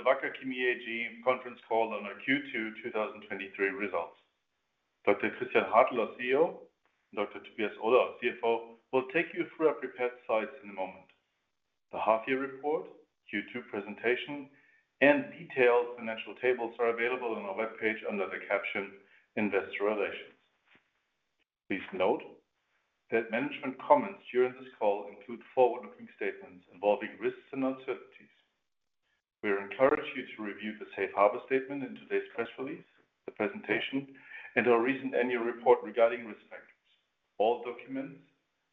Welcome to the Wacker Chemie AG conference call on our Q2 2023 results. Dr. Christian Hartel, our CEO, and Dr. Tobias Ohler, our CFO, will take you through our prepared slides in a moment. The half year report, Q2 presentation, and detailed financial tables are available on our webpage under the caption investor relations. Please note that management comments during this call include forward-looking statements involving risks and uncertainties. We encourage you to review the safe harbor statement in today's press release, the presentation, and our recent annual report regarding risk factors. All documents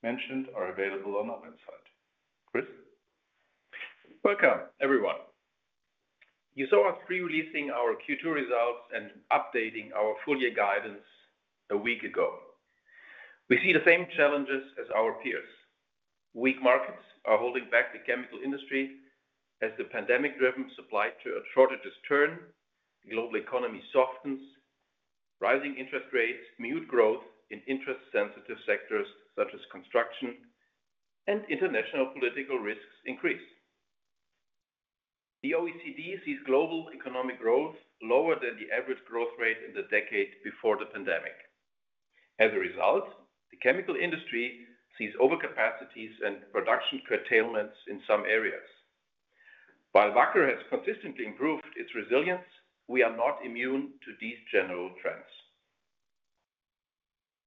mentioned are available on our website. Chris? Welcome, everyone. You saw us pre-releasing our Q2 results and updating our full year guidance a week ago. We see the same challenges as our peers. Weak markets are holding back the chemical industry as the pandemic-driven supply to a shortages turn, the global economy softens, rising interest rates mute growth in interest-sensitive sectors such as construction, and international political risks increase. The OECD sees global economic growth lower than the average growth rate in the decade before the pandemic. As a result, the chemical industry sees overcapacities and production curtailments in some areas. While Wacker has consistently improved its resilience, we are not immune to these general trends.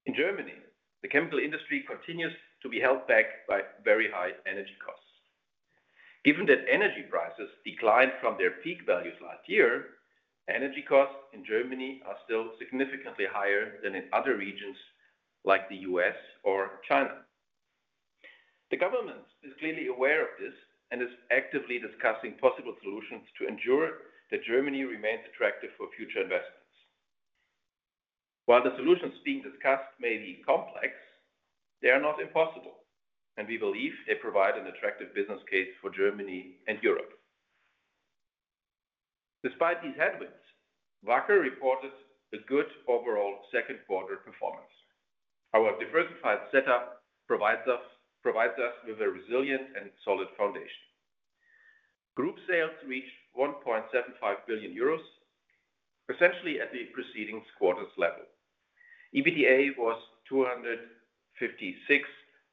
In Germany, the chemical industry continues to be held back by very high energy costs. Given that energy prices declined from their peak values last year, energy costs in Germany are still significantly higher than in other regions like the U.S. or China. The government is clearly aware of this and is actively discussing possible solutions to ensure that Germany remains attractive for future investments. While the solutions being discussed may be complex, they are not impossible, and we believe they provide an attractive business case for Germany and Europe. Despite these headwinds, Wacker reported a good overall second quarter performance. Our diversified setup provides us with a resilient and solid foundation. Group sales reached 1.75 billion euros, essentially at the preceding quarter's level. EBITDA was 256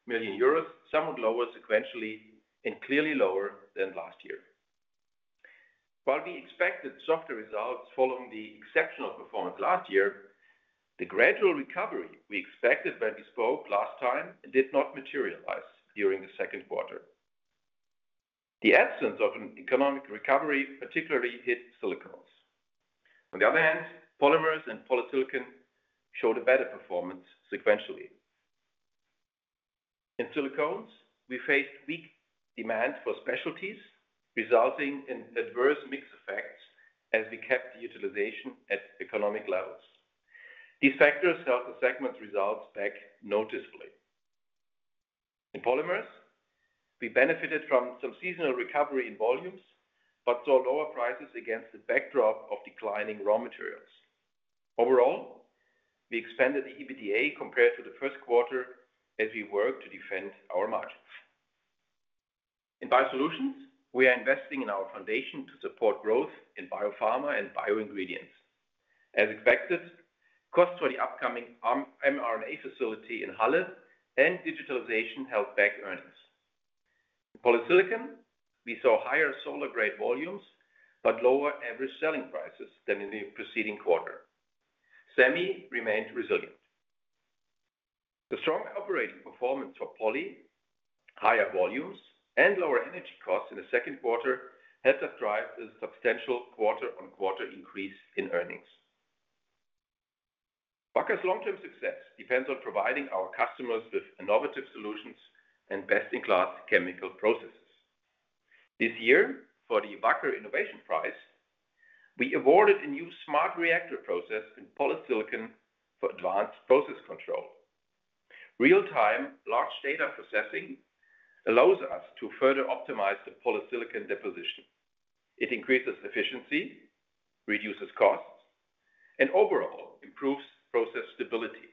million euros, somewhat lower sequentially and clearly lower than last year. While we expected softer results following the exceptional performance last year, the gradual recovery we expected when we spoke last time did not materialize during the second quarter. The absence of an economic recovery particularly hit Silicones. On the other hand, Polymers and Polysilicon showed a better performance sequentially. In Silicones, we faced weak demand for specialties, resulting in adverse mix effects as we kept the utilization at economic levels. These factors held the segment's results back noticeably. In Polymers, we benefited from some seasonal recovery in volumes, but saw lower prices against the backdrop of declining raw materials. Overall, we expanded the EBITDA compared to the first quarter as we worked to defend our margins. In Biosolutions, we are investing in our foundation to support growth in biopharma and bio ingredients. As expected, costs for the upcoming mRNA facility in Halle and digitalization held back earnings. In polysilicon, we saw higher solar grade volumes, but lower average selling prices than in the preceding quarter. Semi remained resilient. The strong operating performance of Poly, higher volumes, and lower energy costs in the second quarter helped us drive a substantial quarter-on-quarter increase in earnings. Wacker's long-term success depends on providing our customers with innovative solutions and best-in-class chemical processes. This year, for the Wacker Innovation Award, we awarded a new smart reactor process in polysilicon for advanced process control. Real-time large data processing allows us to further optimize the polysilicon deposition. It increases efficiency, reduces costs, and overall improves process stability.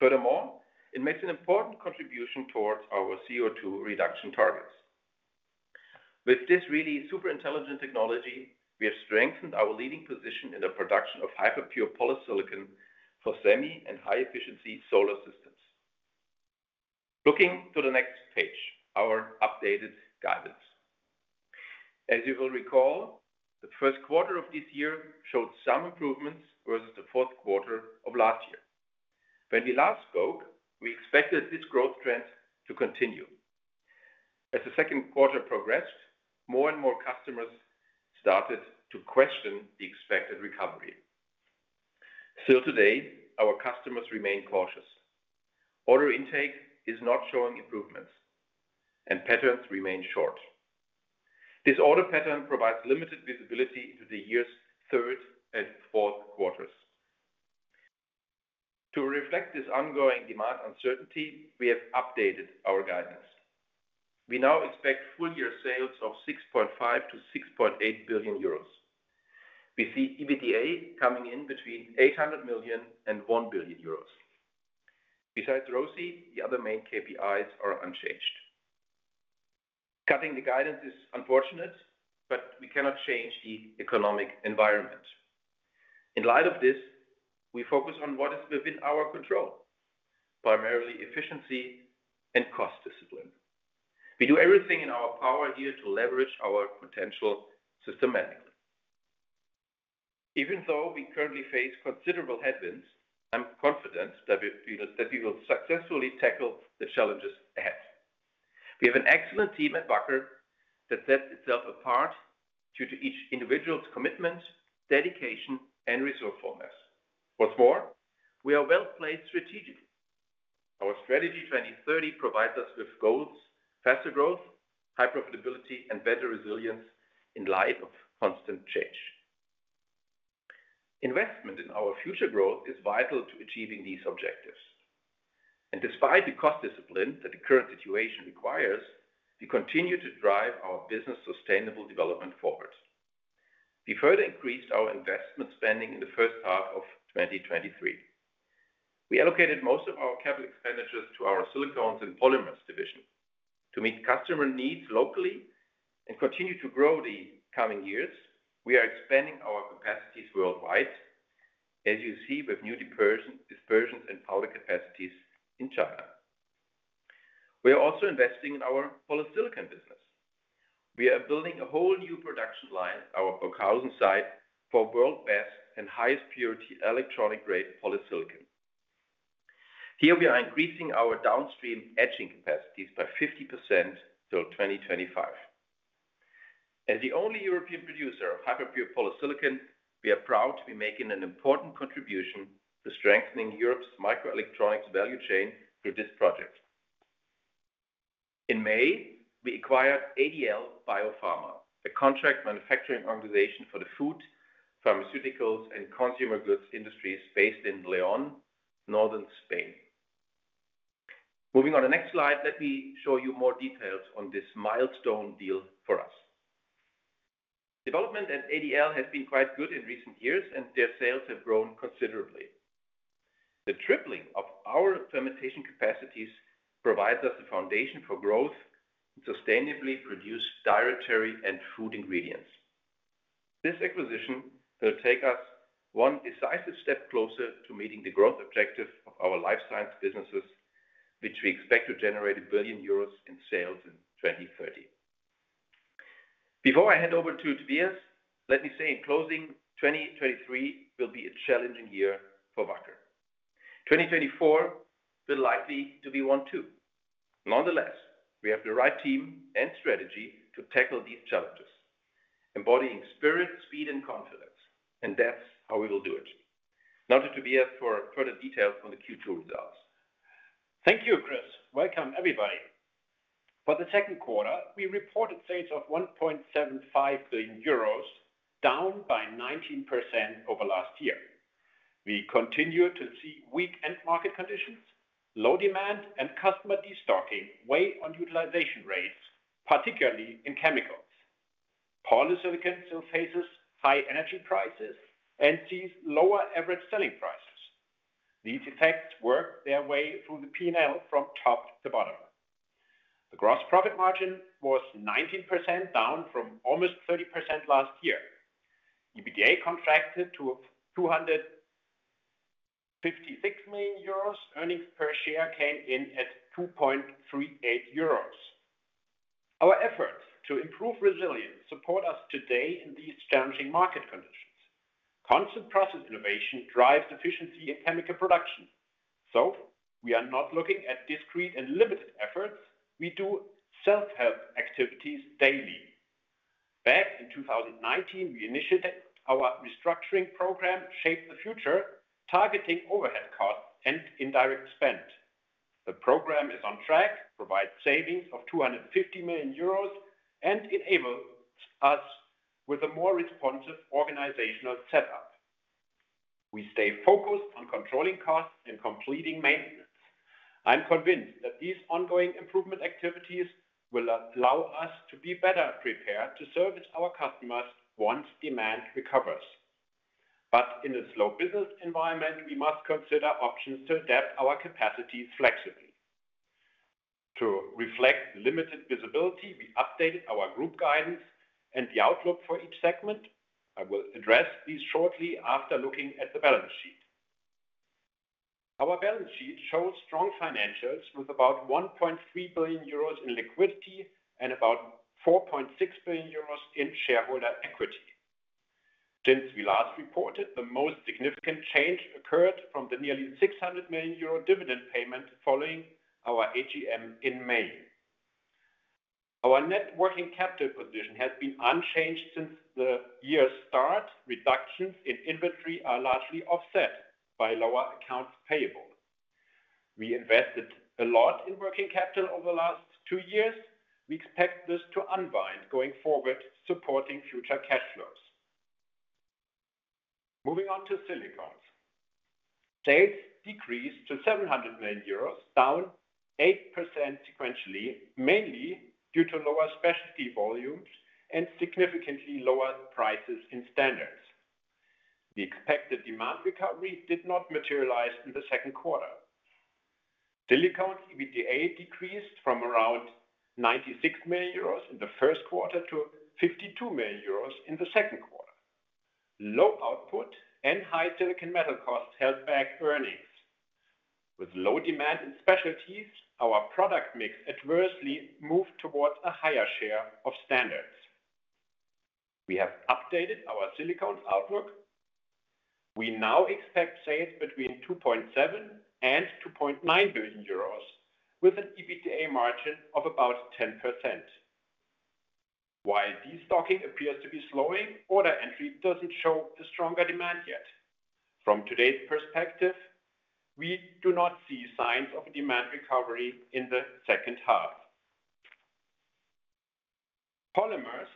Furthermore, it makes an important contribution towards our CO2 reduction targets. With this really super intelligent technology, we have strengthened our leading position in the production of hyper-pure polysilicon for semi and high-efficiency solar systems. Looking to the next page, our updated guidance. As you will recall, the first quarter of this year showed some improvements versus the fourth quarter of last year. When we last spoke, we expected this growth trend to continue. As the second quarter progressed, more and more customers started to question the expected recovery. Still today, our customers remain cautious. Order intake is not showing improvements, and patterns remain short. This order pattern provides limited visibility into the year's third and fourth quarters. To reflect this ongoing demand uncertainty, we have updated our guidance. We now expect full year sales of 6.5 billion-6.8 billion euros. We see EBITDA coming in between 800 million and 1 billion euros. Besides ROIC, the other main KPIs are unchanged. Cutting the guidance is unfortunate, but we cannot change the economic environment. In light of this, we focus on what is within our control, primarily efficiency and cost discipline. We do everything in our power here to leverage our potential systematically. Even though we currently face considerable headwinds, I'm confident that we will successfully tackle the challenges ahead. We have an excellent team at Wacker that sets itself apart due to each individual's commitment, dedication, and resourcefulness. What's more, we are well-placed strategically. Our Strategy 2030 provides us with goals, faster growth, high profitability, and better resilience in light of constant change. Investment in our future growth is vital to achieving these objectives. Despite the cost discipline that the current situation requires, we continue to drive our business sustainable development forward. We further increased our investment spending in the first half of 2023. We allocated most of our capital expenditures to our Silicones and Polymers division. To meet customer needs locally and continue to grow the coming years, we are expanding our capacities worldwide, as you see, with new dispersion, dispersions and powder capacities in China. We are also investing in our polysilicon business. We are building a whole new production line at our Burghausen site for world-best and highest purity electronic-grade polysilicon. Here we are increasing our downstream etching capacities by 50% till 2025. As the only European producer of hyper-pure polysilicon, we are proud to be making an important contribution to strengthening Europe's microelectronics value chain through this project. In May, we acquired ADL BioPharma, a contract manufacturing organization for the food, pharmaceuticals, and consumer goods industries based in León, northern Spain. Moving on to the next slide, let me show you more details on this milestone deal for us. Development at ADL has been quite good in recent years, and their sales have grown considerably. The tripling of our fermentation capacities provides us a foundation for growth and sustainably produce dietary and food ingredients. This acquisition will take us one decisive step closer to meeting the growth objective of our life science businesses, which we expect to generate 1 billion euros in sales in 2030. Before I hand over to Tobias, let me say in closing, 2023 will be a challenging year for Wacker. 2024 will likely to be one, too. Nonetheless, we have the right team and strategy to tackle these challenges, embodying spirit, speed, and confidence, and that's how we will do it. Now to Tobias for further details on the Q2 results. Thank you, Chris. Welcome, everybody. For the second quarter, we reported sales of 1.75 billion euros, down by 19% over last year. We continue to see weak end market conditions, low demand, and customer destocking weigh on utilization rates, particularly in chemicals. Polysilicon still faces high energy prices and sees lower average selling prices. These effects work their way through the P&L from top to bottom. The gross profit margin was 19%, down from almost 30% last year. EBITDA contracted to 256 million euros. Earnings per share came in at 2.38 euros. Our efforts to improve resilience support us today in these challenging market conditions. Constant process innovation drives efficiency in chemical production, so we are not looking at discrete and limited efforts. We do self-help activities daily. Back in 2019, we initiated our restructuring program, Shape the Future, targeting overhead costs and indirect spend. The program is on track, provides savings of 250 million euros, and enables us with a more responsive organizational setup. We stay focused on controlling costs and completing maintenance. I'm convinced that these ongoing improvement activities will allow us to be better prepared to service our customers once demand recovers. In a slow business environment, we must consider options to adapt our capacity flexibly. To reflect the limited visibility, we updated our group guidance and the outlook for each segment. I will address these shortly after looking at the balance sheet. Our balance sheet shows strong financials with about 1.3 billion euros in liquidity and about 4.6 billion euros in shareholder equity. Since we last reported, the most significant change occurred from the nearly 600 million euro dividend payment following our AGM in May. Our net working capital position has been unchanged since the year start. Reductions in inventory are largely offset by lower accounts payable. We invested a lot in working capital over the last two years. We expect this to unbind going forward, supporting future cash flows. Moving on to Silicones. Sales decreased to 700 million euros, down 8% sequentially, mainly due to lower specialty volumes and significantly lower prices in standards. The expected demand recovery did not materialize in the second quarter. Silicones EBITDA decreased from around 96 million euros in the first quarter to 52 million euros in the second quarter. Low output and high silicon metal costs held back earnings. With low demand in specialties, our product mix adversely moved towards a higher share of standards. We have updated our Silicones outlook. We now expect sales between 2.7 billion and 2.9 billion euros, with an EBITDA margin of about 10%. While destocking appears to be slowing, order entry doesn't show a stronger demand yet. From today's perspective, we do not see signs of a demand recovery in the second half. Polymers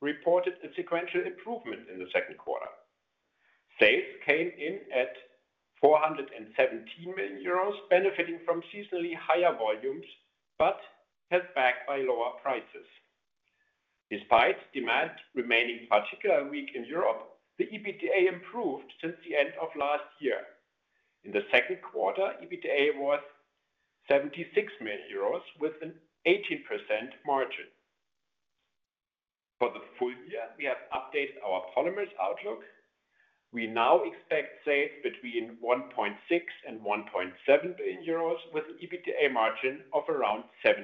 reported a sequential improvement in the second quarter. Sales came in at 417 million euros, benefiting from seasonally higher volumes, but held back by lower prices. Despite demand remaining particularly weak in Europe, the EBITDA improved since the end of last year. In the second quarter, EBITDA was 76 million euros, with an 18% margin. For the full year, we have updated our Polymers outlook. We now expect sales between 1.6 billion and 1.7 billion euros, with an EBITDA margin of around 17%.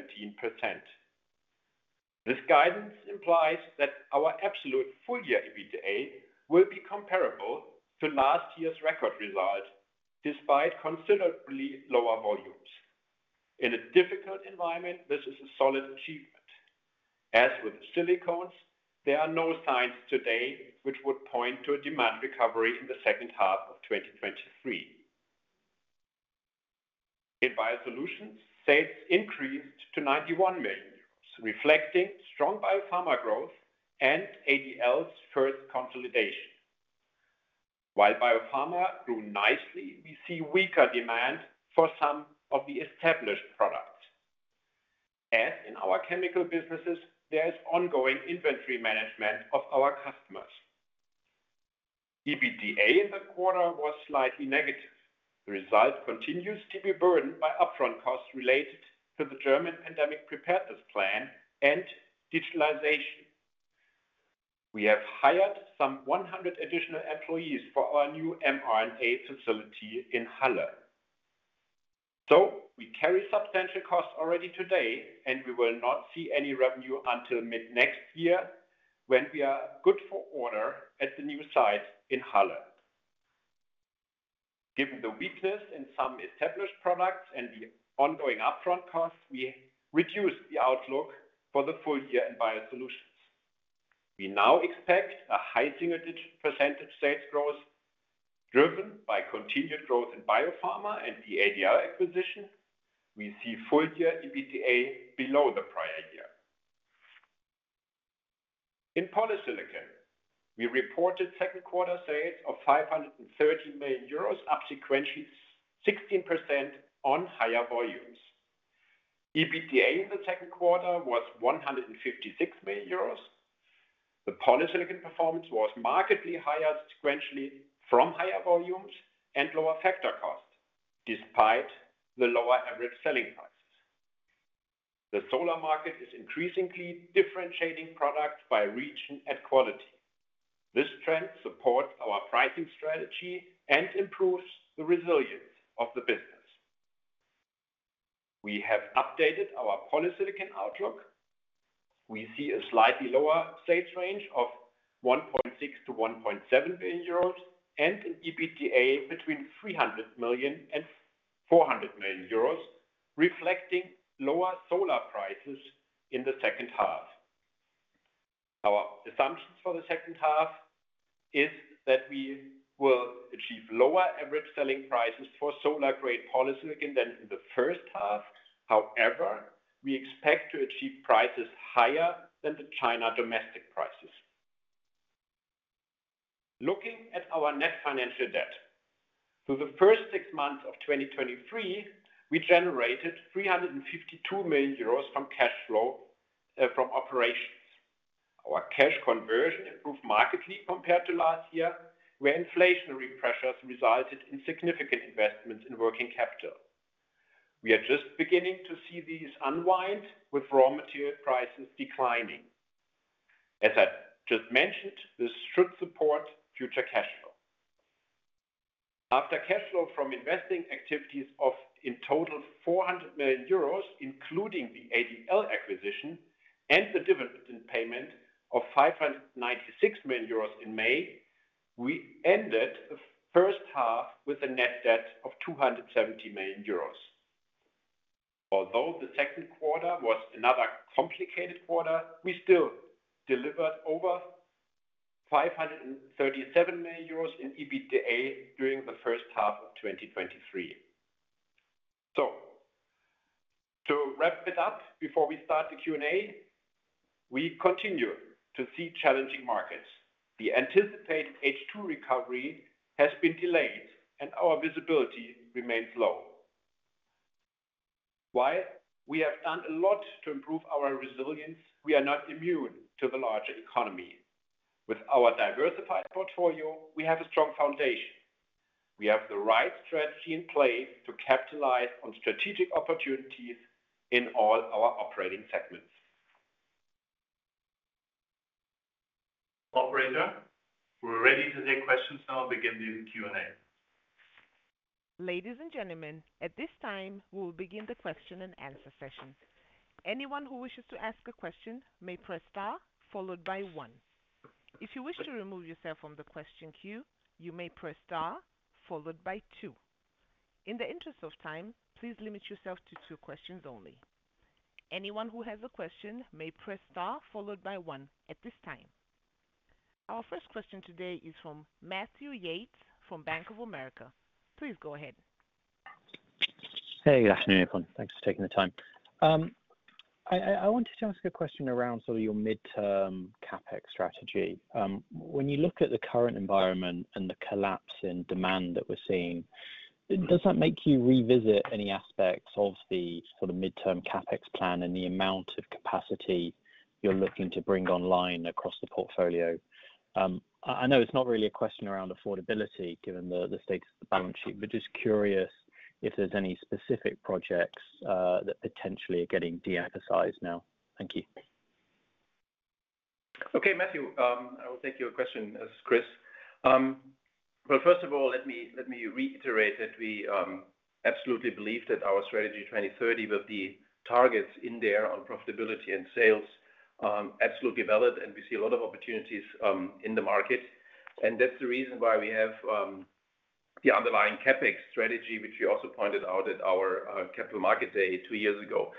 This guidance implies that our absolute full-year EBITDA will be comparable to last year's record result, despite considerably lower volumes. In a difficult environment, this is a solid achievement. As with Silicones, there are no signs today which would point to a demand recovery in the second half of 2023. In Biosolutions, sales increased to 91 million euros, reflecting strong biopharma growth and ADL's first consolidation. While biopharma grew nicely, we see weaker demand for some of the established products. As in our chemical businesses, there is ongoing inventory management of our customers. EBITDA in the quarter was slightly negative. The result continues to be burdened by upfront costs related to the German Pandemic Preparedness Plan and digitalization. We have hired some 100 additional employees for our new mRNA facility in Halle. We carry substantial costs already today, and we will not see any revenue until mid-next year, when we are good for order at the new site in Halle. Given the weakness in some established products and the ongoing upfront costs, we reduced the outlook for the full year in Biosolutions. We now expect a high single-digit % sales growth, driven by continued growth in biopharma and the ADL acquisition. We see full-year EBITDA below the prior year. In polysilicon, we reported second quarter sales of 530 million euros, up sequentially 16% on higher volumes. EBITDA in the second quarter was 156 million euros. The polysilicon performance was markedly higher sequentially from higher volumes and lower factor costs, despite the lower average selling prices. The solar market is increasingly differentiating product by region and quality. This trend supports our pricing strategy and improves the resilience of the business. We have updated our polysilicon outlook. We see a slightly lower sales range of 1.6 billion-1.7 billion euros and an EBITDA between 300 million and 400 million euros, reflecting lower solar prices in the second half. Our assumptions for the second half is that we will achieve lower average selling prices for solar-grade polysilicon than in the first half. We expect to achieve prices higher than the China domestic prices. Looking at our net financial debt. Through the first six months of 2023, we generated 352 million euros from cash flow from operations. Our cash conversion improved markedly compared to last year, where inflationary pressures resulted in significant investments in working capital. We are just beginning to see these unwind with raw material prices declining. As I just mentioned, this should support future cash flow. After cash flow from investing activities of in total 400 million euros, including the ADL acquisition and the dividend payment of 596 million euros in May, we ended the first half with a net debt of 270 million euros. Although the second quarter was another complicated quarter, we still delivered over 537 million euros in EBITDA during the first half of 2023. To wrap it up, before we start the Q&A, we continue to see challenging markets. The anticipated H2 recovery has been delayed and our visibility remains low. While we have done a lot to improve our resilience, we are not immune to the larger economy. With our diversified portfolio, we have a strong foundation. We have the right strategy in place to capitalize on strategic opportunities in all our operating segments. Operator, we're ready to take questions now. Begin the Q&A. Ladies and gentlemen, at this time, we will begin the question-and-answer session. Anyone who wishes to ask a question may press star followed by one. If you wish to remove yourself from the question queue, you may press star followed by two. In the interest of time, please limit yourself to two questions only. Anyone who has a question may press star followed by one at this time. Our first question today is from Matthew Yates from Bank of America. Please go ahead. Hey, good afternoon, everyone. Thanks for taking the time. I, I wanted to ask a question around sort of your midterm CapEx strategy. When you look at the current environment and the collapse in demand that we're seeing, does that make you revisit any aspects of the sort of midterm CapEx plan and the amount of capacity you're looking to bring online across the portfolio? I know it's not really a question around affordability, given the state of the balance sheet, but just curious if there's any specific projects that potentially are getting de-emphasized now. Thank you. Okay, Matthew, I will take your question as Chris. Well, first of all, let me reiterate that we absolutely believe that our Strategy 2030, with the targets in there on profitability and sales, absolutely valid. We see a lot of opportunities in the market. That's the reason why we have the underlying CapEx strategy, which you also pointed out at our capital market day two years ago.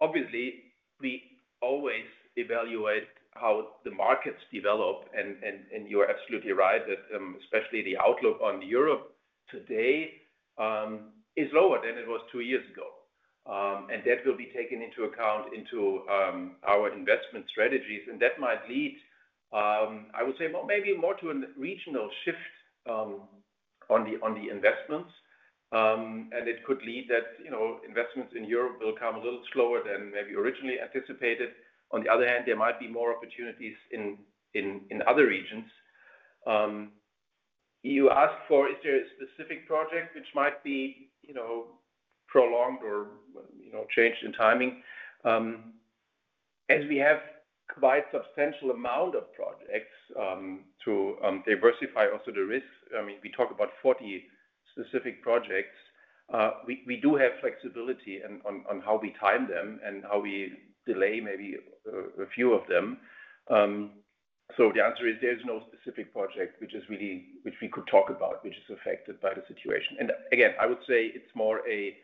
Obviously, we always evaluate how the markets develop, and you are absolutely right that especially the outlook on Europe today is lower than it was two years ago. That will be taken into account into our investment strategies, and that might lead, I would say, well, maybe more to a regional shift on the investments. It could lead that, you know, investments in Europe will come a little slower than maybe originally anticipated. On the other hand, there might be more opportunities in other regions. You asked for, is there a specific project which might be, you know, prolonged or, you know, changed in timing? As we have quite substantial amount of projects, to diversify also the risk, I mean, we talk about 40 specific projects. We do have flexibility on how we time them and how we delay maybe a few of them. The answer is there's no specific project which is which we could talk about, which is affected by the situation. Again, I would say it's more a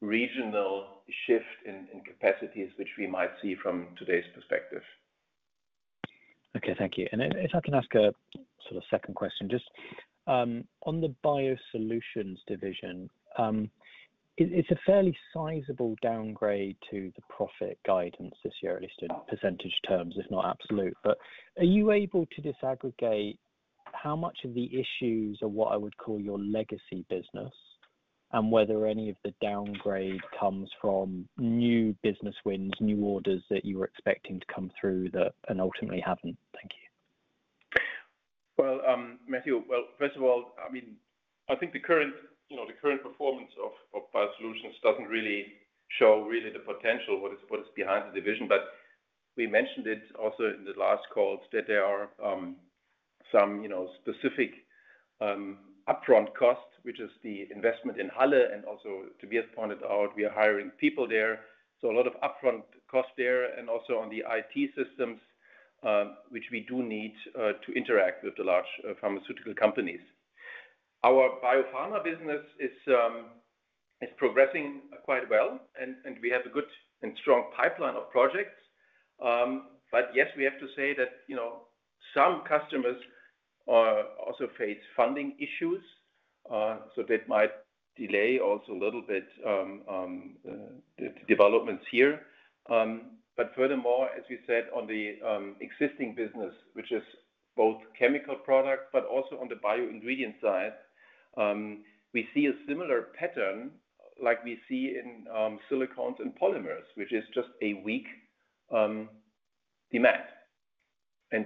regional shift in capacities, which we might see from today's perspective. Okay, thank you. If I can ask a sort of second question, just on the Biosolutions division, it's a fairly sizable downgrade to the profit guidance this year, at least in percentage terms, if not absolute. Are you able to disaggregate how much of the issues are what I would call your legacy business, and whether any of the downgrade comes from new business wins, new orders that you were expecting to come through that and ultimately haven't? Thank you. Well, Matthew, first of all, I mean, I think the current, you know, the current performance of biosolutions doesn't really show the potential what is behind the division. We mentioned it also in the last call, that there are some, you know, specific, upfront costs, which is the investment in Halle, and also, Tobias pointed out we are hiring people there. A lot of upfront costs there and also on the IT systems, which we do need to interact with the large pharmaceutical companies. Our biopharma business is progressing quite well, and we have a good and strong pipeline of projects. Yes, we have to say that, you know, some customers also face funding issues, that might delay also a little bit the developments here. Furthermore, as we said on the existing business, which is both chemical products, but also on the bio ingredient side, we see a similar pattern like we see in Silicones and Polymers, which is just a weak demand.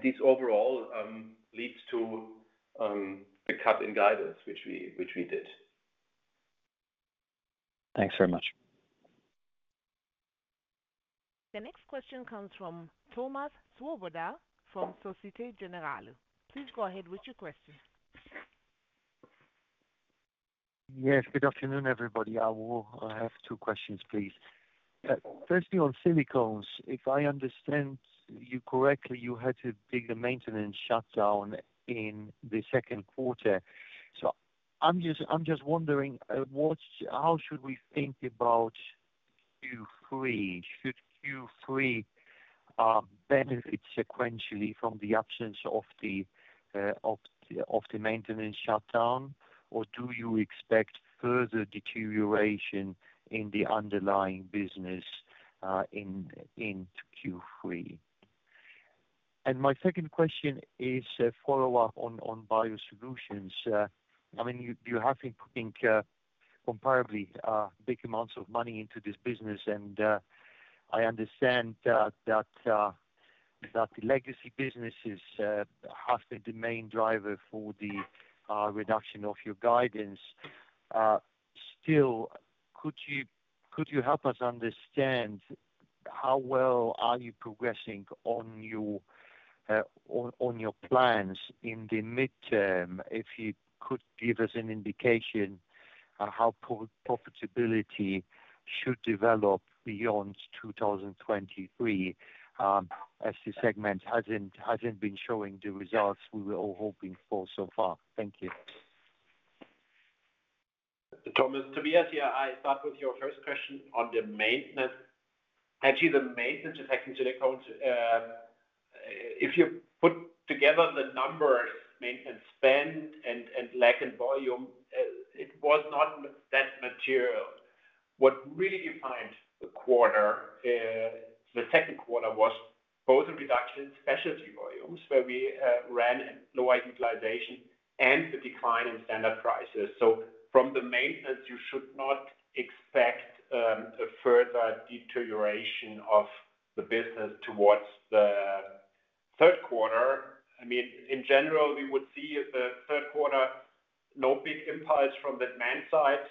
This overall leads to a cut in guidance, which we did. Thanks very much. The next question comes from Thomas Swoboda from Société Générale. Please go ahead with your question. Yes, good afternoon, everybody. I have two questions, please. Firstly, on Silicones, if I understand you correctly, you had to take a maintenance shutdown in the second quarter. I'm just wondering, how should we think about Q3? Should Q3 benefit sequentially from the absence of the maintenance shutdown, or do you expect further deterioration in the underlying business into Q3? My second question is a follow-up on Biosolutions. I mean, you have been putting comparably big amounts of money into this business, and I understand that the legacy business has been the main driver for the reduction of your guidance. Still, could you help us understand how well are you progressing on your plans in the midterm? If you could give us an indication on how profitability should develop beyond 2023, as the segment hasn't been showing the results we were all hoping for so far. Thank you. Thomas, Tobias, yeah, I start with your first question on the maintenance. Actually, the maintenance effect into the code, if you put together the numbers, maintenance spend and, and lack in volume, it was not that material. What really defined the quarter, the second quarter, was both a reduction in specialty volumes, where we ran in low utilization and the decline in standard prices. From the maintenance, you should not expect a further deterioration of the business towards the third quarter. I mean, in general, we would see if the third quarter, no big impact from the demand side,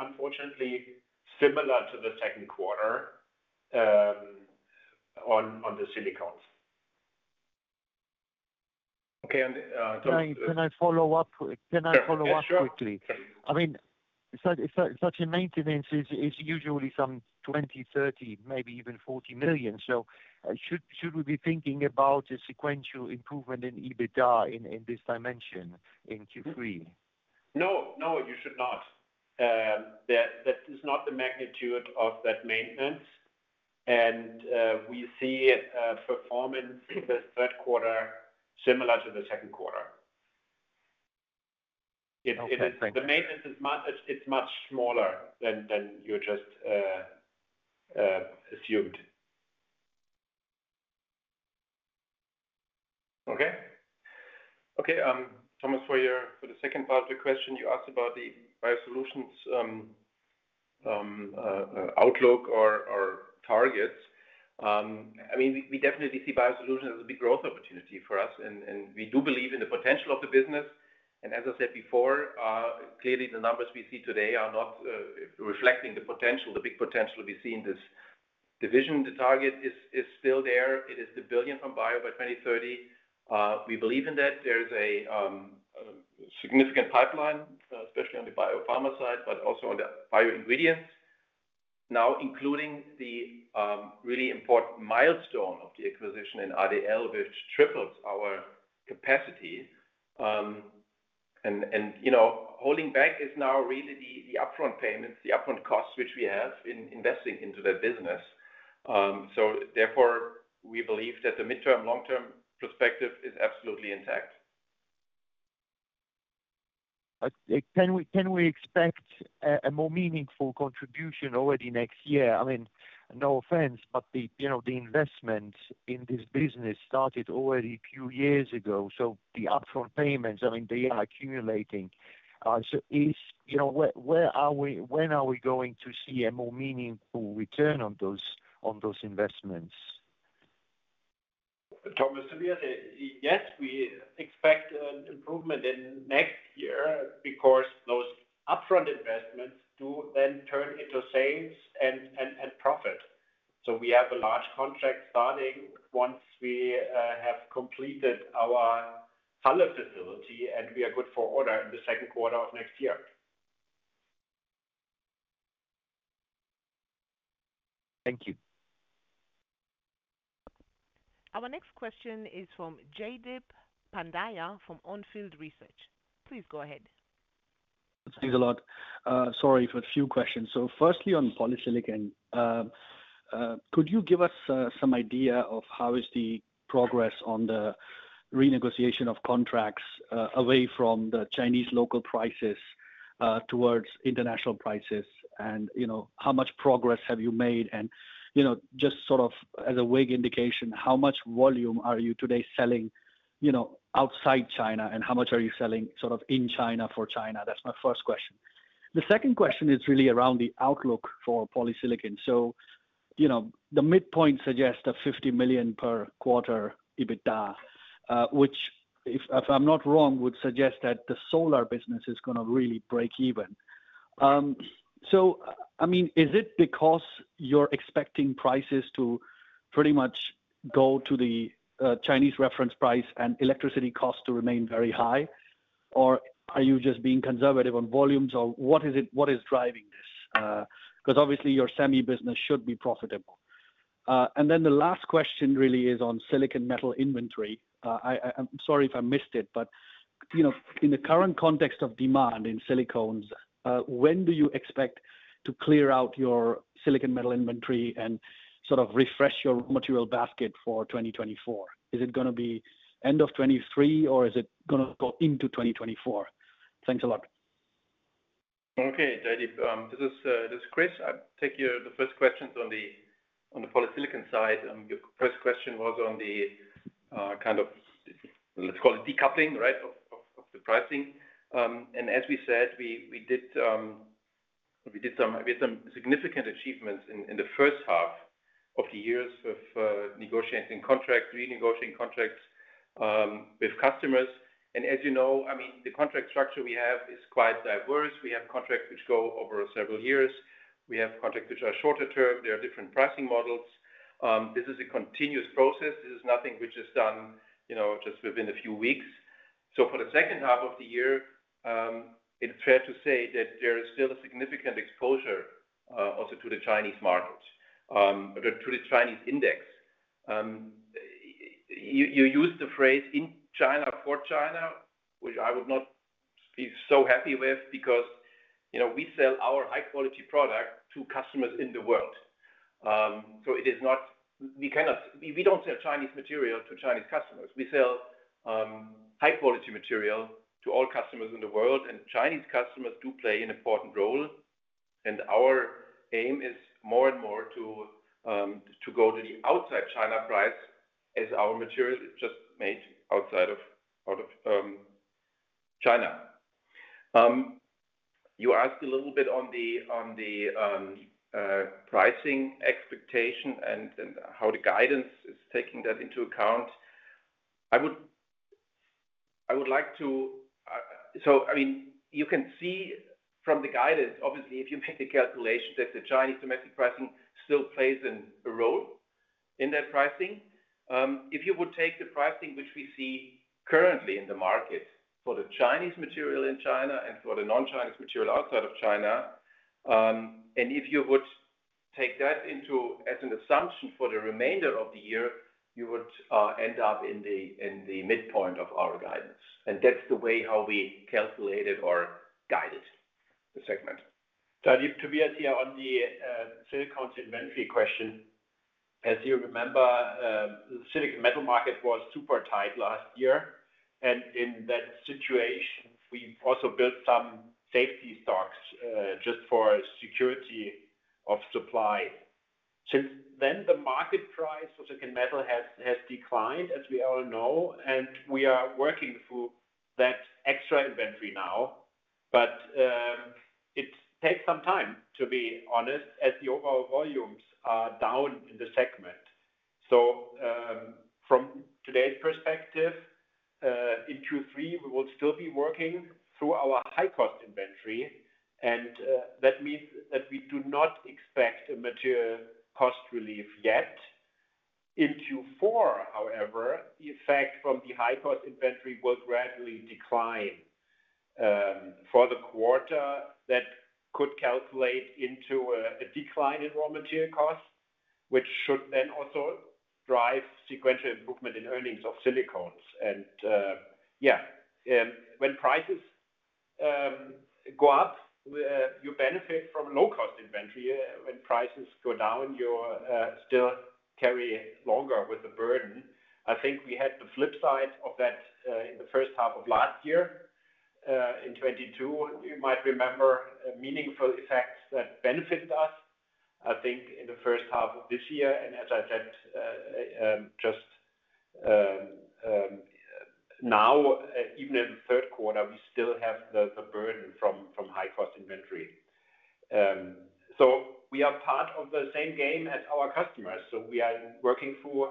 unfortunately, similar to the second quarter, on the Silicones. Okay. Can I follow up? Can I follow up quickly? Yeah, sure. I mean, such a maintenance is usually some 20 million, 30 million, maybe even 40 million. Should we be thinking about a sequential improvement in EBITDA in this dimension in Q3? No, no, you should not. That is not the magnitude of that maintenance. We see performance in the third quarter, similar to the second quarter. Okay, thank you. It the maintenance is much smaller than you just assumed. Okay. Thomas, for the second part of your question, you asked about the Biosolutions outlook or targets. I mean, we definitely see Biosolutions as a big growth opportunity for us, and we do believe in the potential of the business. As I said before, clearly, the numbers we see today are not reflecting the big potential we see in this division. The target is still there. It is the 1 billion from bio by 2030. We believe in that. There is a significant pipeline, especially on the biopharma side, but also on the bio ingredients. Now, including the really important milestone of the acquisition in ADL BioPharma, which triples our capacity. you know, holding back is now really the, the upfront payments, the upfront costs, which we have in investing into that business. Therefore, we believe that the midterm, long-term perspective is absolutely intact. Can we expect a more meaningful contribution already next year? No offense, but the investment in this business started already a few years ago, so the upfront payments, I mean, they are accumulating. Where are we going to see a more meaningful return on those investments? Thomas, Tobias, yes, we expect an improvement in next year because those upfront investments do then turn into sales and profit. We have a large contract starting once we have completed our Halle facility, and we are good for order in the second quarter of next year. Thank you. Our next question is from Jaideep Pandya, from Onfield Research. Please go ahead. Thanks a lot. Sorry for a few questions. Firstly, on polysilicon, could you give us some idea of how is the progress on the renegotiation of contracts away from the Chinese local prices towards international prices? You know, how much progress have you made? You know, just sort of as a wig indication, how much volume are you today selling, you know, outside China, and how much are you selling sort of in China for China? That's my first question. The second question is really around the outlook for polysilicon. You know, the midpoint suggests a 50 million per quarter EBITDA, which, if I'm not wrong, would suggest that the solar business is gonna really break even. I mean, is it because you're expecting prices to pretty much go to the Chinese reference price and electricity costs to remain very high? Are you just being conservative on volumes, or what is driving this? because obviously, your semi business should be profitable. The last question really is on silicon metal inventory. I'm sorry if I missed it, but, you know, in the current context of demand in Silicones, when do you expect to clear out your silicon metal inventory and sort of refresh your material basket for 2024? Is it gonna be end of 2023, or is it gonna go into 2024? Thanks a lot. Okay, Jaideep, this is Chris. I take your the first questions on the polysilicon side. Your first question was on the kind of, let's call it decoupling, right, of the pricing. As we said, we had some significant achievements in the first half of the years of negotiating contracts, renegotiating contracts with customers. As you know, I mean, the contract structure we have is quite diverse. We have contracts which go over several years. We have contracts which are shorter term. There are different pricing models. This is a continuous process. This is nothing which is done, you know, just within a few weeks. For the second half of the year, it's fair to say that there is still a significant exposure, also to the Chinese market, but to the Chinese index. You, you use the phrase, "In China, for China," which I would not be so happy with, because, you know, we sell our high-quality product to customers in the world. It is not, we cannot, we don't sell Chinese material to Chinese customers. We sell high-quality material to all customers in the world, and Chinese customers do play an important role. And our aim is more and more to go to the outside China price as our material is just made outside of China. You asked a little bit on the pricing expectation and how the guidance is taking that into account. I mean, you can see from the guidance, obviously, if you make the calculation, that the Chinese domestic pricing still plays a role in that pricing. If you would take the pricing, which we see currently in the market for the Chinese material in China and for the non-Chinese material outside of China, if you would take that into as an assumption for the remainder of the year, you would end up in the midpoint of our guidance. That's the way how we calculated or guided the segment. Jaideep, to be here on the silicon inventory question, as you remember, the silicon metal market was super tight last year. In that situation, we also built some safety stocks just for security of supply. Since then, the market price for silicon metal has declined, as we all know. We are working through that extra inventory now. It takes some time, to be honest, as the overall volumes are down in the segment. From today's perspective, in Q3, we will still be working through our high-cost inventory. That means that we do not expect a material cost relief yet. In Q4, however, the effect from the high-cost inventory will gradually decline. For the quarter, that could calculate into a decline in raw material costs, which should then also drive sequential improvement in earnings of Silicones. When prices go up, you benefit from low-cost inventory. When prices go down, you still carry longer with the burden. I think we had the flip side of that, in the first half of last year. In 2022, you might remember, meaningful effects that benefited us, I think, in the first half of this year. As I said, just now, even in the third quarter, we still have the burden from high-cost inventory. We are part of the same game as our customers, so we are working through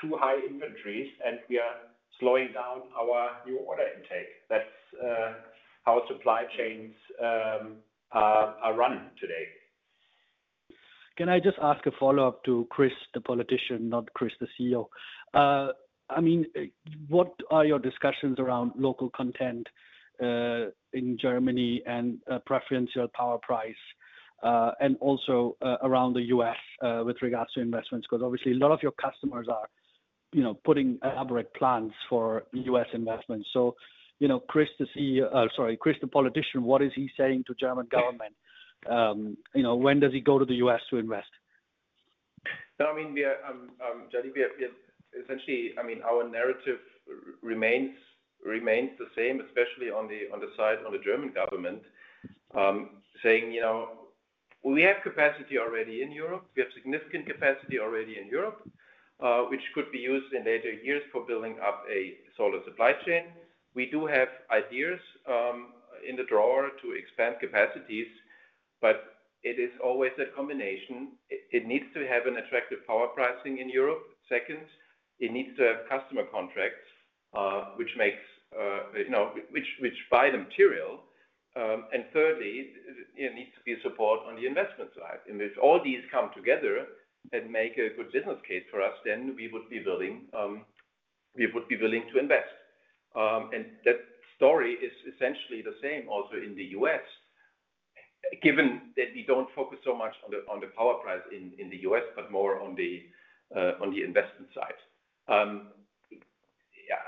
two high inventories, and we are slowing down our new order intake. That's how supply chains are run today. Can I just ask a follow-up to Chris, the politician, not Chris, the CEO? I mean, what are your discussions around local content, in Germany and preferential power price, and also around the U.S., with regards to investments? Because obviously, a lot of your customers are, you know, putting elaborate plans for U.S. investments. You know, Chris, the CEO, sorry, Chris, the politician, what is he saying to German government? You know, when does he go to the U.S. to invest? No, I mean, we are Jaideep, we are essentially, I mean, our narrative remains the same, especially on the side, on the German government. Saying, you know, we have capacity already in Europe. We have significant capacity already in Europe, which could be used in later years for building up a solar supply chain. We do have ideas in the drawer to expand capacities, but it is always a combination. It needs to have an attractive power pricing in Europe. Second, it needs to have customer contracts, which makes, you know, which buy the material. Thirdly, it needs to be a support on the investment side. If all these come together and make a good business case for us, then we would be willing, we would be willing to invest. That story is essentially the same also in the U.S., given that we don't focus so much on the power price in the U.S., but more on the investment side. Yeah,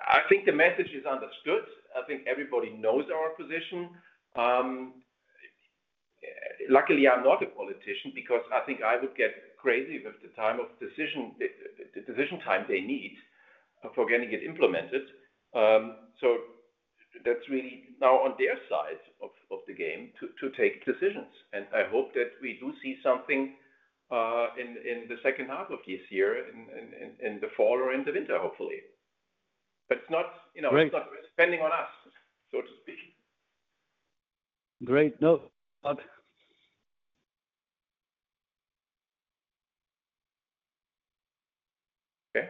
I think the message is understood. I think everybody knows our position. Luckily, I'm not a politician because I think I would get crazy with the time of decision, the decision time they need for getting it implemented. That's really now on their side of the game to take decisions. I hope that we do see something in the second half of this year, in the fall or in the winter, hopefully. It's not, you know. Great. It's not depending on us, so to speak. Great. No, okay. Okay.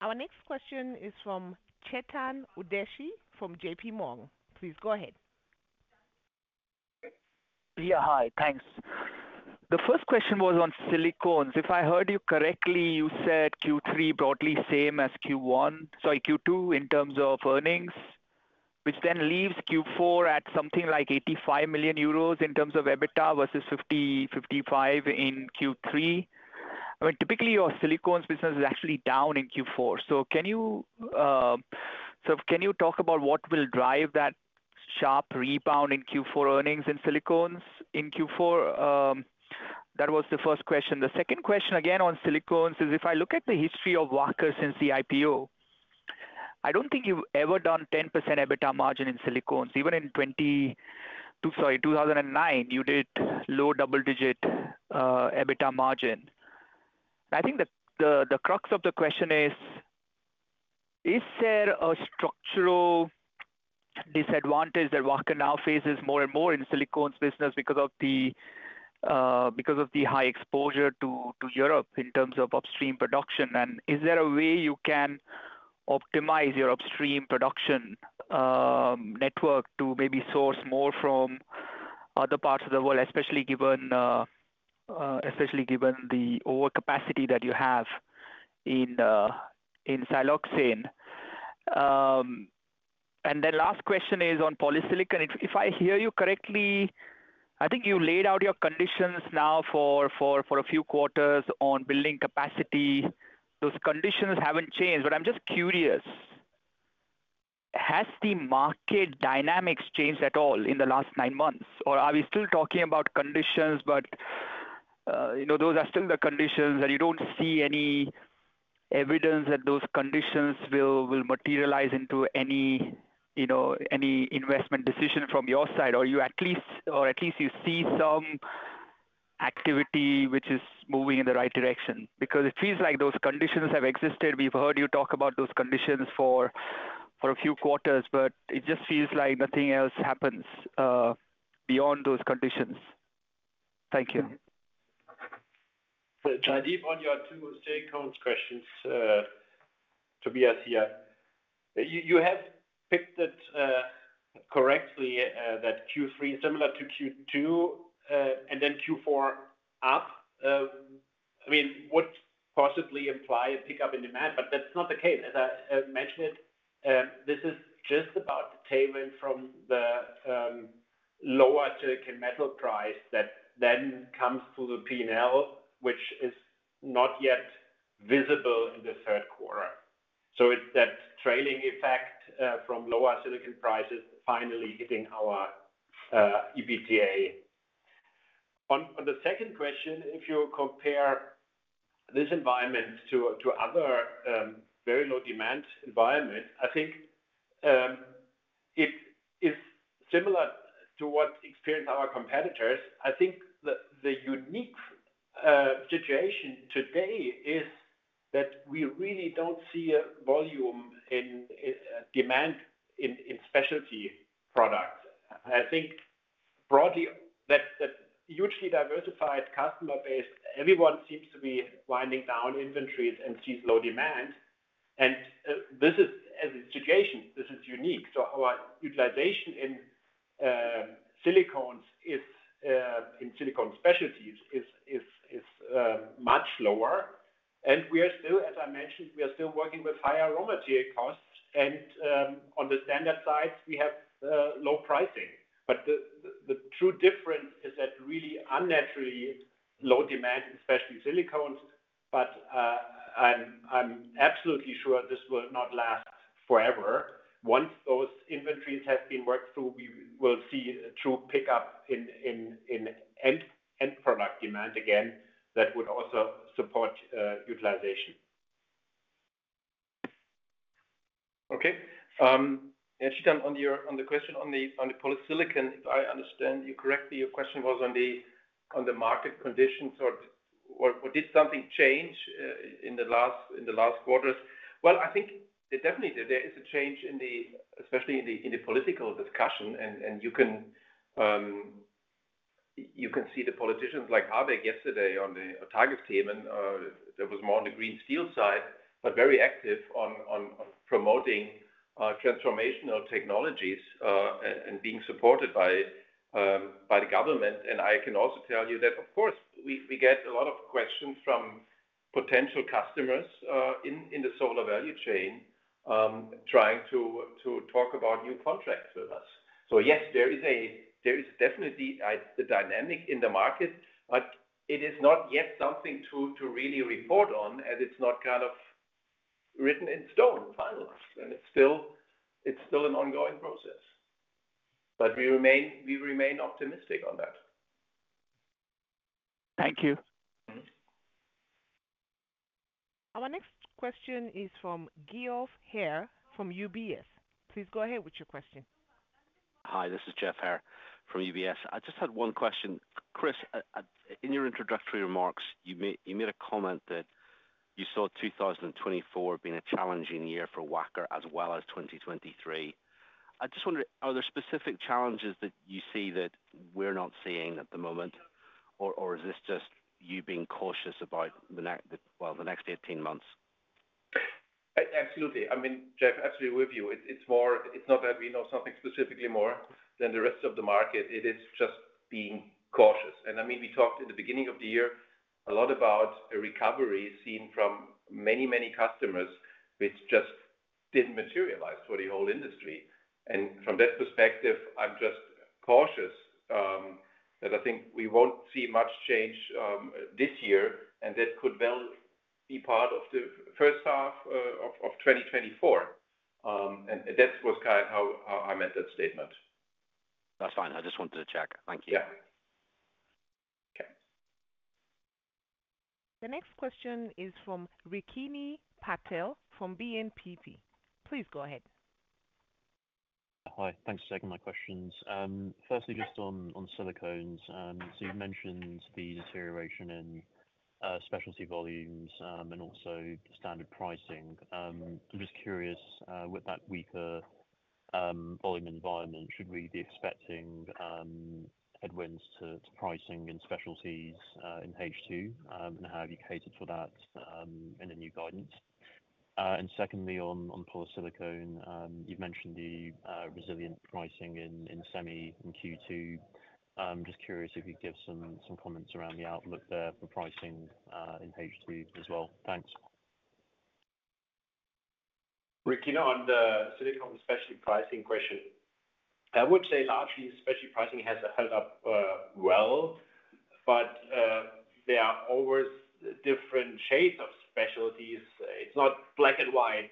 Our next question is from Chetan Udeshi from JPMorgan. Please go ahead. Hi. Thanks. The first question was on Silicones. If I heard you correctly, you said Q3 broadly same as Q1, sorry, Q2 in terms of earnings, which leaves Q4 at something like 85 million euros in terms of EBITDA versus 50-55 million in Q3. I mean, typically, your Silicones business is actually down in Q4. Can you talk about what will drive that sharp rebound in Q4 earnings in Silicones in Q4? That was the first question. The second question, again, on Silicones, is if I look at the history of Wacker since the IPO, I don't think you've ever done 10% EBITDA margin in Silicones. Even in 2009, you did low double-digit EBITDA margin. I think the crux of the question is: Is there a structural disadvantage that Wacker now faces more and more in Silicones business because of the because of the high exposure to Europe in terms of upstream production? Is there a way you can optimize your upstream production network to maybe source more from other parts of the world, especially given especially given the overcapacity that you have in siloxane? Last question is on polysilicon. If I hear you correctly, I think you laid out your conditions now for a few quarters on building capacity. Those conditions haven't changed, but I'm just curious, has the market dynamics changed at all in the last nine months? Are we still talking about conditions, but, you know, those are still the conditions, and you don't see any evidence that those conditions will materialize into any, you know, any investment decision from your side? Or at least you see some activity which is moving in the right direction. It feels like those conditions have existed. We've heard you talk about those conditions for a few quarters, but it just feels like nothing else happens, beyond those conditions. Thank you. Chetan, on your two Silicones questions, to be as here, you have picked it correctly that Q3 is similar to Q2, and then Q4 up. I mean, would possibly imply a pickup in demand, that's not the case. As I mentioned it, this is just about the payment from the lower silicon metal price that then comes to the P&L, which is not yet visible in the third quarter. It's that trailing effect from lower silicon prices finally hitting our EBITDA. On the second question, if you compare this environment to other very low demand environment, I think it is similar to what experienced our competitors. I think the unique situation today is that we really don't see a volume in demand in specialty products. I think broadly that, that hugely diversified customer base, everyone seems to be winding down inventories and sees low demand. This is as a situation, this is unique. Our utilization in Silicones is in silicone specialties, is much lower, we are still as I mentioned, we are still working with high raw material costs, on the standard side, we have low pricing. The true difference is that really unnaturally low demand, especially in Silicones. I'm absolutely sure this will not last forever. Once those inventories have been worked through, we will see a true pickup in end product demand again, that would also support utilization. Okay. Chetan, on the question on the polysilicon, if I understand you correctly, your question was on the market conditions or did something change in the last quarters? Well, I think it definitely did. There is a change especially in the political discussion, and you can see the politicians like Abe, yesterday on Tagesthemen, that was more on the green steel side, but very active on promoting transformational technologies and being supported by the government. I can also tell you that, of course, we get a lot of questions from potential customers in the solar value chain trying to talk about new contracts with us. Yes, there is definitely a, the dynamic in the market, but it is not yet something to really report on as it's not written in stone, finalized, and it's still an ongoing process. We remain optimistic on that. Thank you. Mm-hmm. Our next question is from Geoff Hare from UBS. Please go ahead with your question. Hi, this is Geoff Hare from UBS. I just had one question. Chris, in your introductory remarks, you made a comment that you saw 2024 being a challenging year for Wacker, as well as 2023. I just wonder, are there specific challenges that you see that we're not seeing at the moment, or is this just you being cautious about the next 18 months? Absolutely. I mean, Geoff, absolutely with you. It's not that we know something specifically more than the rest of the market. It is just being cautious. I mean, we talked in the beginning of the year a lot about a recovery seen from many, many customers, which just didn't materialize for the whole industry. From that perspective, I'm just cautious, that I think we won't see much change, this year, and that could well be part of the first half of 2024. That was kind how I meant that statement. That's fine. I just wanted to check. Thank you. Yeah. Okay. The next question is from Rikin Patel from BNPP. Please go ahead. Hi, thanks for taking my questions. Firstly, just on Silicones. You've mentioned the deterioration in specialty volumes and also the standard pricing. I'm just curious, with that weaker volume environment, should we be expecting headwinds to pricing in specialties in H2? How have you catered for that in the new guidance? Secondly, on polysilicon, you've mentioned the resilient pricing in semi in Q2. I'm just curious if you could give some comments around the outlook there for pricing in H2 as well. Thanks. Rikin, on the Silicones specialty pricing question, I would say largely, specialty pricing has held up well, there are always different shades of specialties. It's not black and white.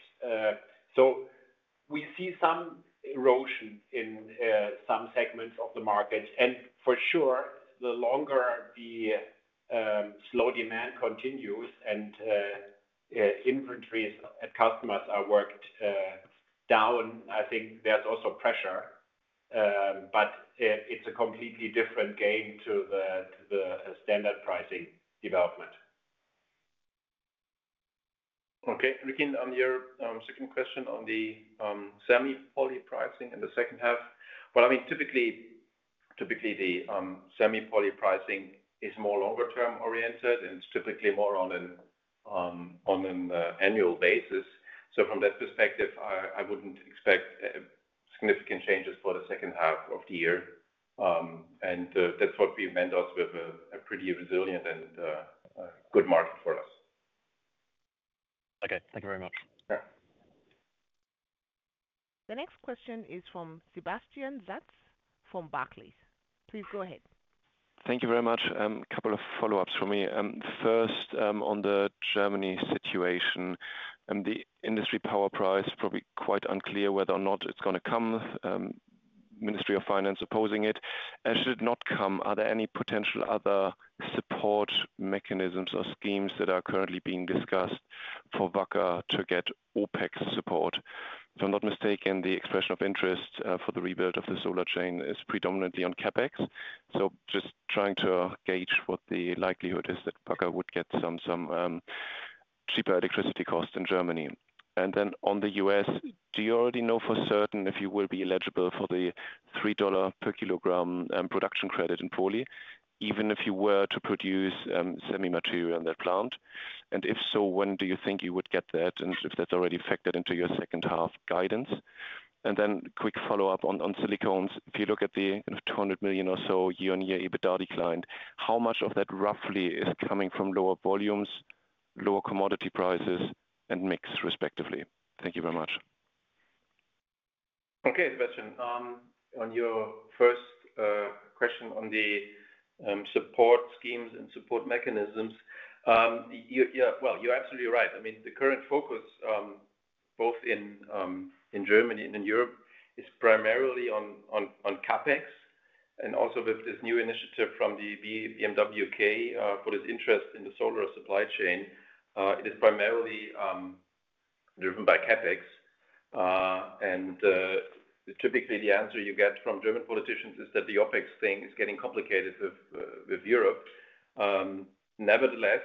We see some erosion in some segments of the market. For sure, the longer the slow demand continues and inventories at customers are worked down, I think there's also pressure. It's a completely different game to the standard pricing development. Okay, Rikin, on your second question on the semi poly pricing in the second half. Well, I mean, typically the semi poly pricing is more longer-term oriented, and it's typically more on an annual basis. From that perspective, I wouldn't expect significant changes for the second half of the year. That's what we meant also with a pretty resilient and good market for us. Okay, thank you very much. Yeah. The next question is from Sebastian Satz from Barclays. Please go ahead. Thank you very much. A couple of follow-ups from me. First, on the Germany situation, the industry power price, probably quite unclear whether or not it's gonna come, Ministry of Finance opposing it. Should it not come, are there any potential other support mechanisms or schemes that are currently being discussed for Wacker to get OpEx support? If I'm not mistaken, the expression of interest for the rebuild of the solar chain is predominantly on CapEx. Just trying to gauge what the likelihood is that Wacker would get some, some cheaper electricity costs in Germany. Then on the US, do you already know for certain if you will be eligible for the $3 per kilogram production credit in poly, even if you were to produce semi material in that plant? If so, when do you think you would get that, and if that's already factored into your second half guidance? Quick follow-up on Silicones. If you look at the 200 million or so year-on-year EBITDA decline, how much of that roughly is coming from lower volumes, lower commodity prices, and mix, respectively? Thank you very much. Okay, Sebastian. On your first question on the support schemes and support mechanisms, you, well, you're absolutely right. I mean, the current focus, both in Germany and in Europe, is primarily on CapEx, and also with this new initiative from the BMWK for this interest in the solar supply chain, it is primarily driven by CapEx. Typically, the answer you get from German politicians is that the OpEx thing is getting complicated with Europe. Nevertheless,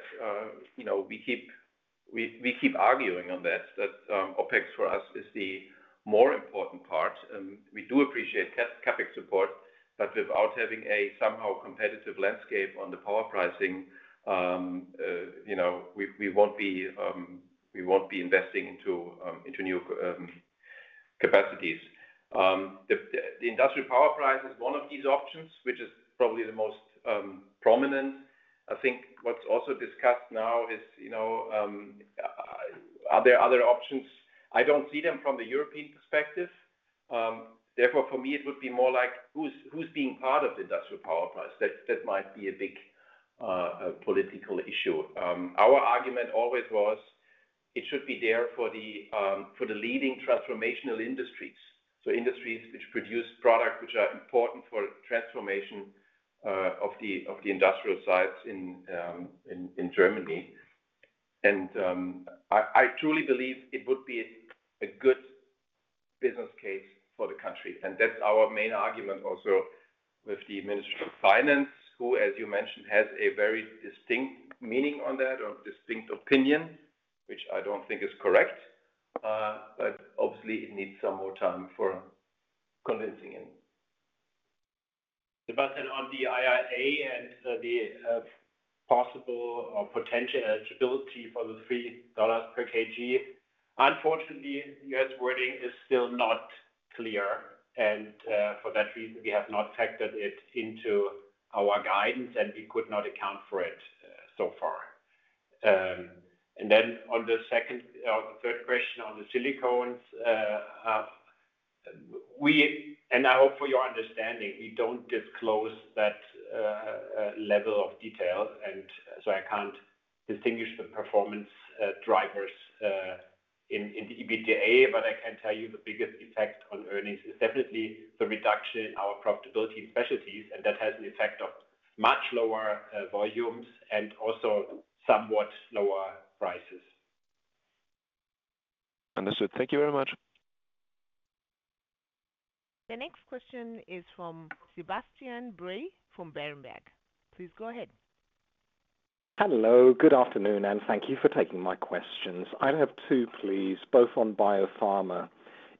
you know, we keep arguing on that, that OpEx for us is the more important part. We do appreciate CapEx support, without having a somehow competitive landscape on the power pricing, you know, we won't be investing into new capacities. The industrial power price is one of these options, which is probably the most prominent. I think what's also discussed now is, you know, are there other options? I don't see them from the European perspective. Therefore, for me, it would be more like, who's being part of the industrial power price? That might be a big a political issue. Our argument always was, it should be there for the leading transformational industries. Industries which produce products which are important for transformation of the industrial sites in Germany. I truly believe it would be a good business case for the country, and that's our main argument also with the Ministry of Finance, who, as you mentioned, has a very distinct meaning on that or distinct opinion, which I don't think is correct. Obviously it needs some more time for convincing him. On the IRA and the possible or potential eligibility for the free dollars per kg, unfortunately, U.S. wording is still not clear, and for that reason, we have not factored it into our guidance, and we could not account for it so far. On the or the third question on the Silicones, I hope for your understanding, we don't disclose that level of detail, I can't distinguish the performance drivers in the EBITDA. I can tell you the biggest effect on earnings is definitely the reduction in our profitability in specialties, and that has an effect of much lower volumes and also somewhat lower prices. Understood. Thank you very much. The next question is from Sebastian Bray from Berenberg. Please go ahead. Hello, good afternoon, and thank you for taking my questions. I have two, please, both on Biopharma.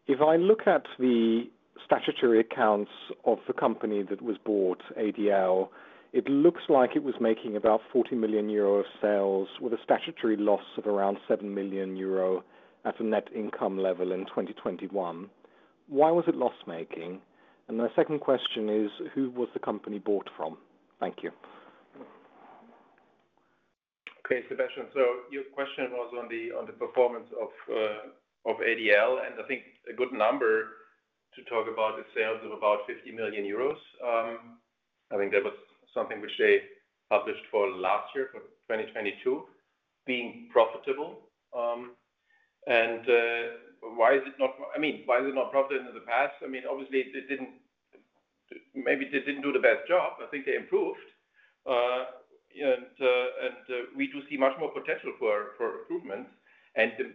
If I look at the statutory accounts of the company that was bought, ADL, it looks like it was making about 40 million euro of sales with a statutory loss of around 7 million euro at a net income level in 2021. Why was it loss-making? My second question is, who was the company bought from? Thank you. Sebastian. Your question was on the performance of ADL, and I think a good number to talk about is sales of about 50 million euros. I think that was something which they published for last year, for 2022, being profitable. And why is it not, I mean, why is it not profitable in the past? I mean, obviously, maybe they didn't do the best job. I think they improved. And we do see much more potential for improvement. The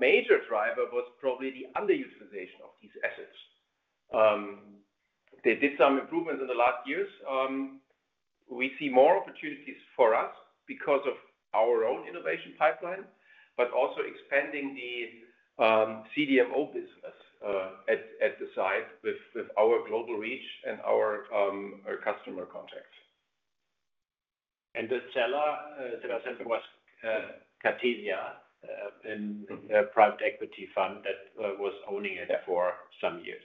major driver was probably the underutilization of these assets. They did some improvements in the last years. We see more opportunities for us because of our own innovation pipeline, but also expanding the CDMO business at the site with our global reach and our customer contacts. The seller, Sebastian, was Kartesia, in a private equity fund that was owning it there for some years.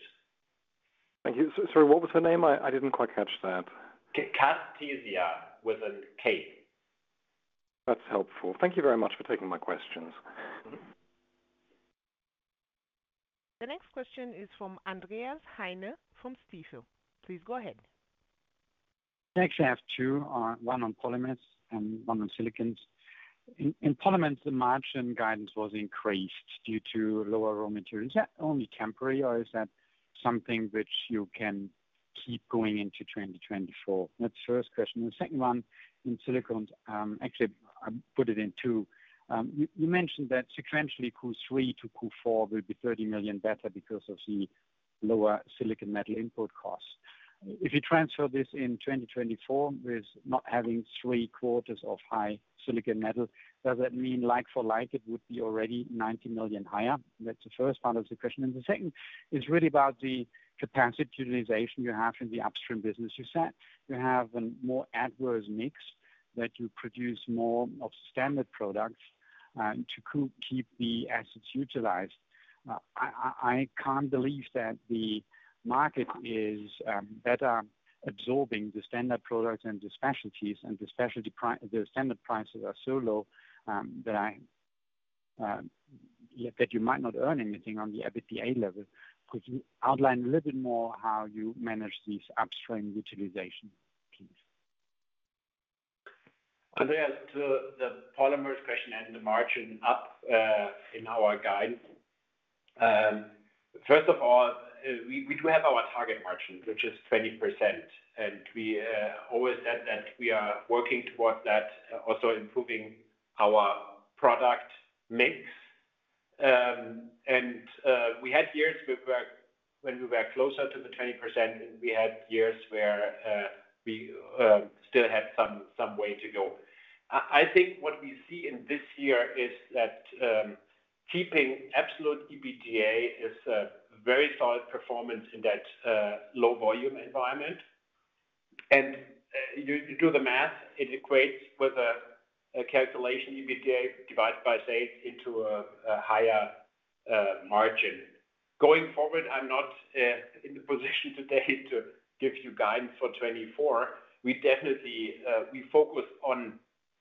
Thank you. Sorry, what was her name? I didn't quite catch that. Kartesia, with a K. That's helpful. Thank you very much for taking my questions. The next question is from Andreas Heine from Stifel. Please go ahead. I actually have two, one on Polymers and one on Silicones. In Polymers, the margin guidance was increased due to lower raw materials. Is that only temporary, or is that something which you can keep going into 2024? That's the first question. The second one, in Silicones, actually, I put it in two. You mentioned that sequentially, Q3 to Q4 will be 30 million better because of the lower silicon metal input costs. If you transfer this in 2024, with not having three quarters of high silicon metal, does that mean like for like, it would be already 90 million higher? That's the first part of the question. The second is really about the capacity utilization you have in the upstream business. You said you have a more adverse mix, that you produce more of standard products, to keep the assets utilized. I can't believe that the market is better absorbing the standard products than the specialties and the standard prices are so low, that I, that you might not earn anything on the EBITDA level. Could you outline a little bit more how you manage this upstream utilization, please? Andreas, to the Polymers question and the margin up in our guide. First of all, we do have our target margin, which is 20%, and we always said that we are working towards that, also improving our product mix. And we had years when we were closer to the 20%, and we had years where we still had some way to go. I think what we see in this year is that keeping absolute EBITDA is a very solid performance in that low volume environment. You do the math, it equates with a calculation, EBITDA divided by sales into a higher margin. Going forward, I'm not in the position today to give you guidance for 2024. We definitely focus on-...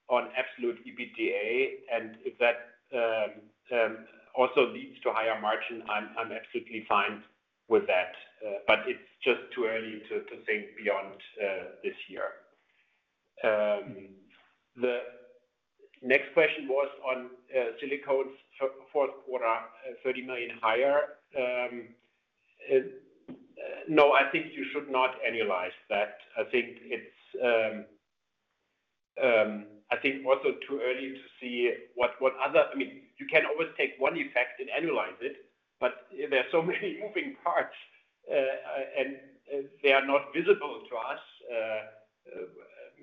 on absolute EBITDA, and if that also leads to higher margin, I'm absolutely fine with that. It's just too early to think beyond this year. The next question was on Silicones for fourth quarter, EUR 30 million higher. No, I think you should not annualize that. I think it's I think also too early to see what other. I mean, you can always take one effect and annualize it, but there are so many moving parts and they are not visible to us,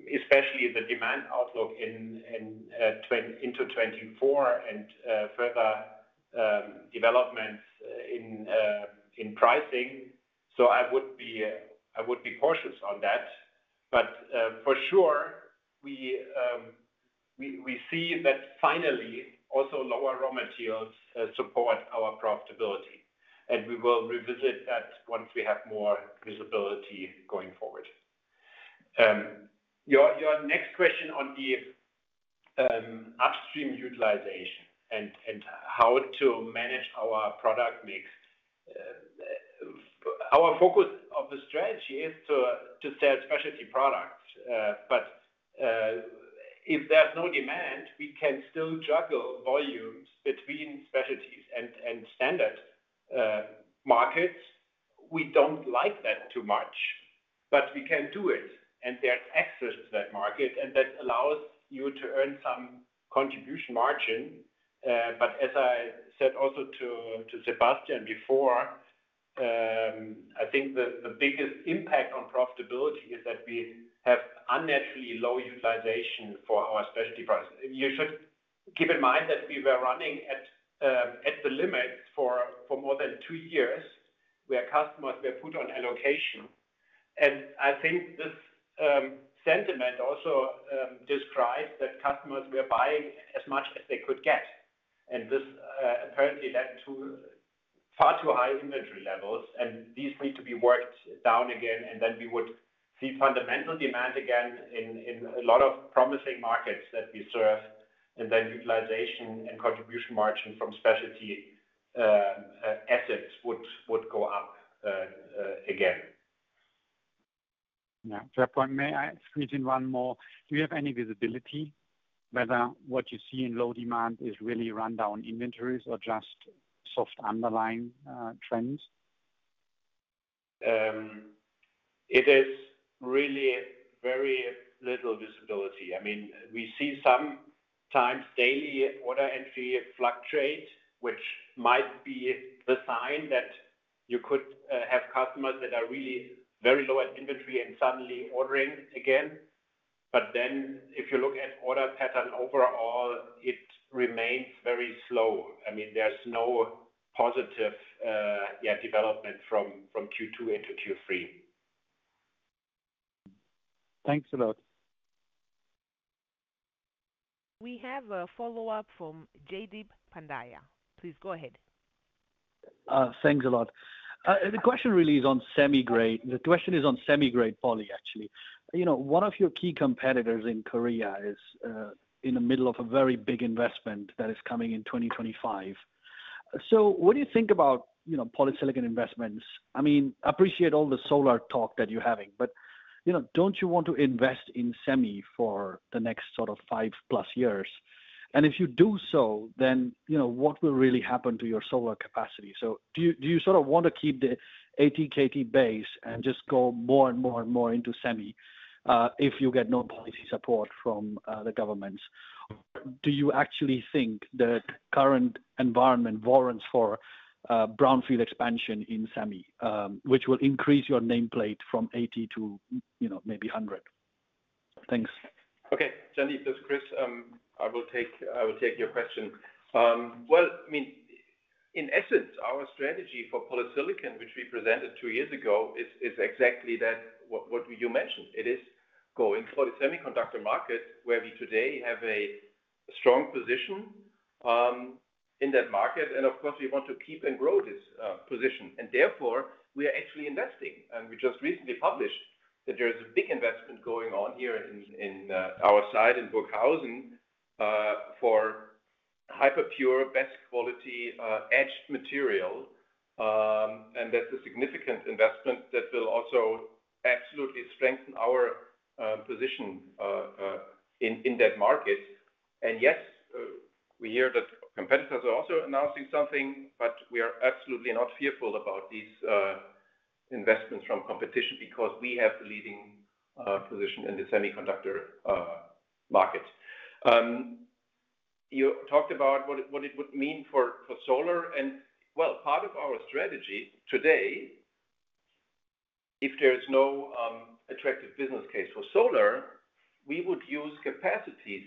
especially the demand outlook in into 2024 and further developments in pricing. I would be cautious on that. For sure, we see that finally, also lower raw materials support our profitability, and we will revisit that once we have more visibility going forward. Your next question on the upstream utilization and how to manage our product mix. Our focus of the strategy is to sell specialty products. If there's no demand, we can still juggle volumes between specialties and standard markets. We don't like that too much, but we can do it, and there's access to that market, and that allows you to earn some contribution margin. As I said also to Sebastian before, I think the biggest impact on profitability is that we have unnaturally low utilization for our specialty products. You should keep in mind that we were running at at the limit for more than two years, where customers were put on allocation. I think this sentiment also describes that customers were buying as much as they could get, this apparently led to far too high inventory levels, these need to be worked down again, then we would see fundamental demand again in a lot of promising markets that we serve, then utilization and contribution margin from specialty assets would go up again. Yeah. May I squeeze in one more? Do you have any visibility whether what you see in low demand is really run down inventories or just soft underlying trends? It is really very little visibility. I mean, we see sometimes daily order entry fluctuate, which might be the sign that you could have customers that are really very low at inventory and suddenly ordering again. If you look at order pattern overall, it remains very slow. I mean, there's no positive development from Q2 into Q3. Thanks a lot. We have a follow-up from Jaideep Pandya. Please go ahead. Thanks a lot. The question really is on semi-grade. The question is on semi-grade poly, actually. You know, one of your key competitors in Korea is in the middle of a very big investment that is coming in 2025. What do you think about, you know, polysilicon investments? I mean, appreciate all the solar talk that you're having, but, you know, don't you want to invest in semi for the next sort of 5+ years? If you do so, then, you know, what will really happen to your solar capacity? Do you sort of want to keep the 80 KT base and just go more, and more, and more into semi, if you get no policy support from the governments? Do you actually think the current environment warrants for, brownfield expansion in semi, which will increase your nameplate from 80 to, you know, maybe 100? Thanks. Okay, Jaideep, this is Chris. I will take your question. Well, I mean, in essence, our strategy for polysilicon, which we presented two years ago, is exactly that, what you mentioned. It is going for the semiconductor market, where we today have a strong position in that market, and of course, we want to keep and grow this position. Therefore, we are actually investing. We just recently published that there is a big investment going on here in our site in Burghausen for hyper-pure, best quality, etched material. That's a significant investment that will also absolutely strengthen our position in that market. Yes, we hear that competitors are also announcing something, but we are absolutely not fearful about these investments from competition because we have the leading position in the semiconductor market. You talked about what it would mean for solar and... Well, part of our strategy today, if there is no attractive business case for solar, we would use capacities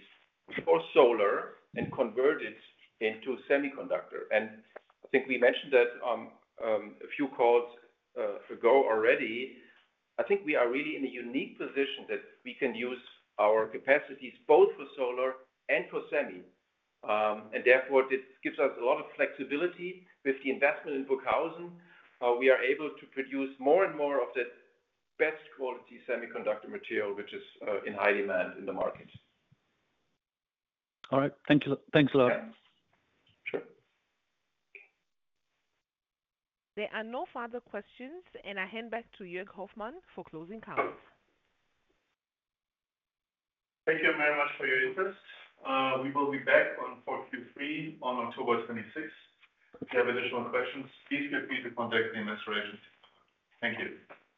for solar and convert it into semiconductor. I think we mentioned that on a few calls ago already. I think we are really in a unique position that we can use our capacities both for solar and for semi. Therefore, this gives us a lot of flexibility. With the investment in Burghausen, we are able to produce more and more of the best quality semiconductor material, which is in high demand in the market. All right. Thank you. Thanks a lot. Sure. There are no further questions, and I hand back to Jörg Hoffmann for closing comments. Thank you very much for your interest. We will be back on for Q3 on October twenty-sixth. If you have additional questions, please feel free to contact the investor relations. Thank you.